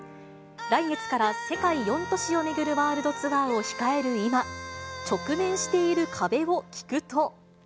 来月から世界４都市を巡るワールドツアーを控える今、直面している壁を聞くと。